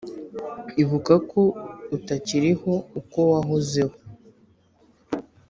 Ibuka ko utakiriho uko wahozeho